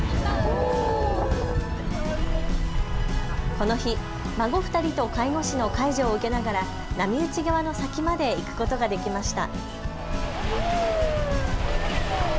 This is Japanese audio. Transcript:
この日、孫２人と介護士の介助を受けながら波打ち際の先まで行くことができました。